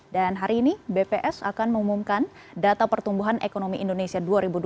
dan hari ini bps akan mengumumkan data pertumbuhan ekonomi indonesia dua ribu dua puluh dua